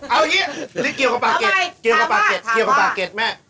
เอาอย่างนี้หรือเกี่ยวกับปลาเก็ตแม่